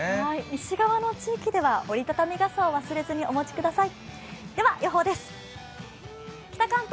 西側の地域では折り畳み傘を忘れずにお持ちください。